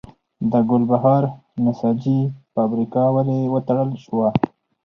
د ګلبهار نساجي فابریکه ولې وتړل شوه؟